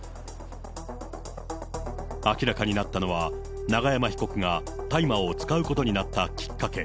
明らかになったのは、永山被告が大麻を使うことになったきっかけ。